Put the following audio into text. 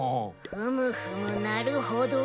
ふむふむなるほど。